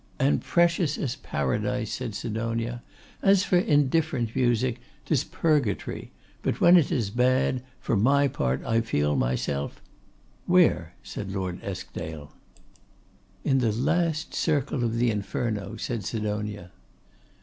'And precious as Paradise,' said Sidonia. 'As for indifferent music, 'tis Purgatory; but when it is bad, for my part I feel myself ' 'Where?' said Lord Eskdale. 'In the last circle of the Inferno,' said Sidonia.